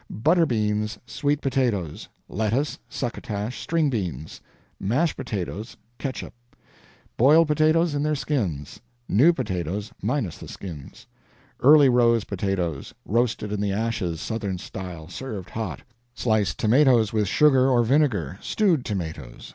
Butter beans. Sweet potatoes. Lettuce. Succotash. String beans. Mashed potatoes. Catsup. Boiled potatoes, in their skins. New potatoes, minus the skins. Early rose potatoes, roasted in the ashes, Southern style, served hot. Sliced tomatoes, with sugar or vinegar. Stewed tomatoes.